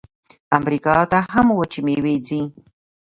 امریکا ته هم وچې میوې ځي.